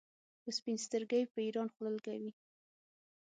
په سپین سترګۍ پر ایران خوله لګوي.